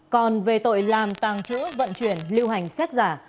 còn về tội làm tàng trữ vận chuyển trái phép tiền tệ qua biên giới